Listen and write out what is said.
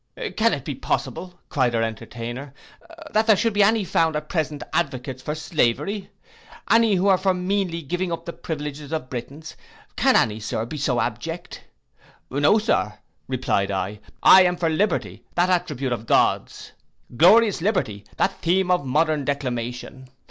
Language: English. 'Can it be possible,' cried our entertainer, 'that there should be any found at present advocates for slavery? Any who are for meanly giving up the privileges of Britons? Can any, Sir, be so abject?' 'No, Sir,' replied I, 'I am for liberty, that attribute of Gods! Glorious liberty! that theme of modern declamation.